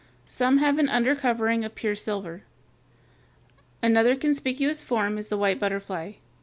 Some have an under covering of pure silver. Another conspicuous form is the white butterfly (Fig.